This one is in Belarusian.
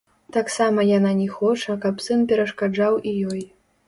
Таксама яна не хоча, каб сын перашкаджаў і ёй.